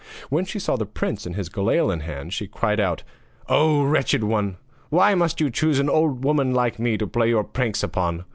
When she saw the prince with his galail in his hand, she called out: 'Oh, wretched one! why must you choose an old woman like me to play your pranks upon?